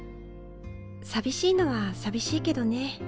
寂しいのは寂しいけどね。